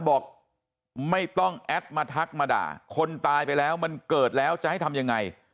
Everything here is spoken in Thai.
บอกไม่ต้องแอดมาทักมาด่าคนตายไปแล้วมันเกิดแล้วจะให้ทำยังไง